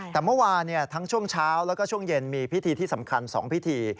แต่เมื่อวานทั้งช่วงเช้าแล้วก็ช่วงเย็นมีพิธีที่สำคัญ๒พิธี